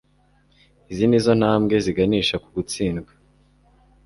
izi nizo ntambwe ziganisha ku gutsindwa